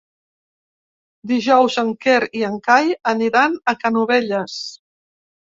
Dijous en Quer i en Cai aniran a Canovelles.